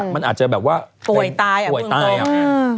มันอาจจะแบบว่าป่วยตายครับ